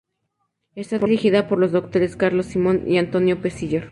Está dirigida por los doctores Carlos Simón y Antonio Pellicer.